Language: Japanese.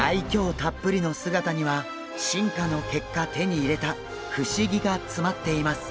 たっぷりの姿には進化の結果手に入れた不思議が詰まっています。